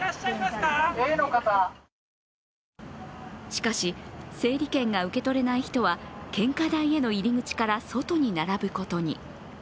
しかし、整理券が受け取れない人は献花台への入り口から外に並ぶことに。